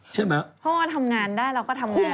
เพราะว่าทำงานได้เราก็ทำงานได้